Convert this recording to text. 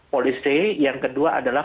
polisi yang kedua adalah